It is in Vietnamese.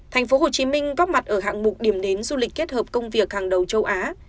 tp hcm góp mặt ở hạng mục điểm đến du lịch kết hợp công việc hàng đầu châu á